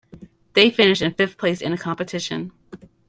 They finished in fifth place in the competition.